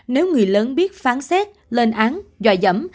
nếu người lớn biết phán xét lên án dòi dẫm